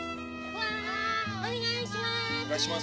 わお願いします！